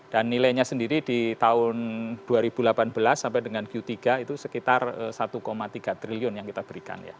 dan nilainya sendiri di tahun dua ribu delapan belas sampai dengan q tiga itu sekitar satu tiga triliun yang kita berikan